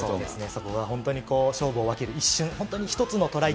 そこが本当に勝負を分ける一瞬、本当に１つのトライ